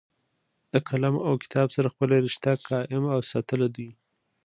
د قلم او کتاب سره خپله رشته قائم اوساتله دوي